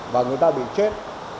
và người ta bị chết